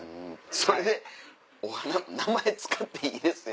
それで「お花名前使っていいですよ」